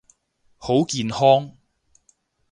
好健康！